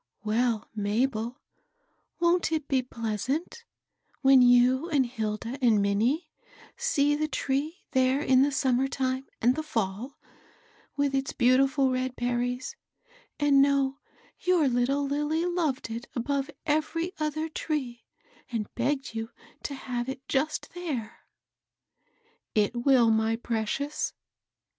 " Well, Mabel, wont it be pleasant, when you and Hilda and Minnie see the tree there in the summer tune and the fall, with its beautiful red berries, and know your little Lilly loved it above every other tree, and begged you to have it just there ?"," It will, my precious."